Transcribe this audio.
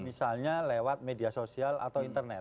misalnya lewat media sosial atau internet